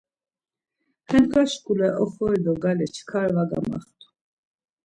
He ndğa şkule oxori do gale çkar var gamaxtu.